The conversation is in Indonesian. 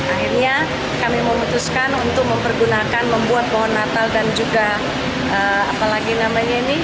akhirnya kami memutuskan untuk mempergunakan membuat pohon natal dan juga apalagi namanya ini